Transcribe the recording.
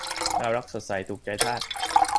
น่ารัก สดใส ถูกใจทาส